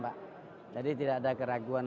pak jadi tidak ada keraguan